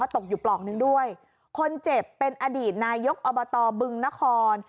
ตกอยู่ปลอกหนึ่งด้วยคนเจ็บเป็นอดีตนายกอบตบึงนคร